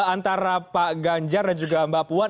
antara pak ganjar dan juga mbak puan